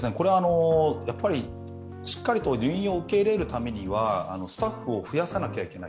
しっかりと入院を受け入れるためにはスタッフを増やさなきゃいけない。